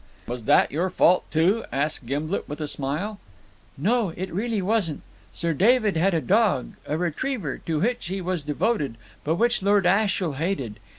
"Was that your fault too?" asked Gimblet with a smile. "No, it really wasn't. Sir David had a dog, a retriever, to which he was devoted, but which Lord Ashiel hated.